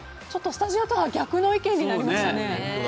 スタジオとは逆の意見になりましたね。